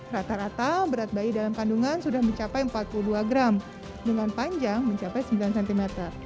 rata rata berat bayi dalam kandungan sudah mencapai empat puluh dua gram dengan panjang mencapai sembilan cm